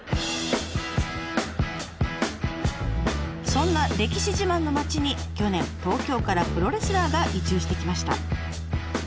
そんな歴史自慢の町に去年東京からプロレスラーが移住してきました。